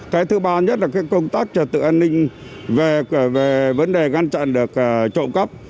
cái thứ ba nhất là công tác trật tự an ninh về vấn đề ngăn chặn được trộm cắp